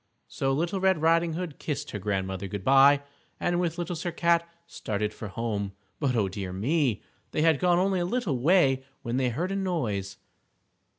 _" So Little Red Riding Hood kissed her Grandma good by and with Little Sir Cat started for home. But, oh, dear me! They had gone only a little way when they heard a noise.